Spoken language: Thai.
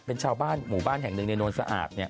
เป็นชาวบ้านหมู่บ้านแห่งหนึ่งในนวลสะอาบเนี่ย